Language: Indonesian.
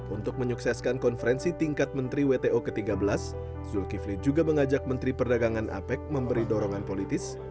untuk menyukseskan konferensi tingkat menteri wto ke tiga belas zulkifli juga mengajak menteri perdagangan apec memberi dorongan politis